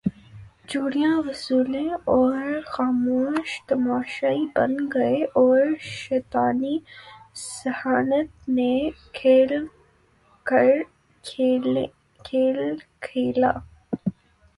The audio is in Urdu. چوڑیاں وصولیں اور خاموش تماشائی بن گئے اور شیطانی ذہانت نے کھل کر کھیل کھیلا